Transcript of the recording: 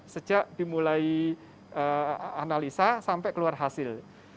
sejak dimulai analisa sampai keluar hasil